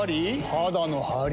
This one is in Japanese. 肌のハリ？